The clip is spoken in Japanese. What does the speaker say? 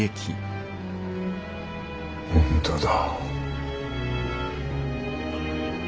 本当だ。